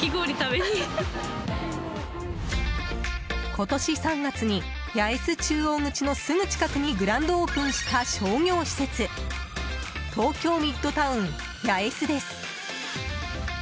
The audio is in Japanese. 今年３月に八重洲中央口のすぐ近くにグランドオープンした商業施設東京ミッドタウン八重洲です。